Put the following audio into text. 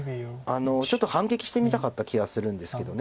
ちょっと反撃してみたかった気がするんですけど。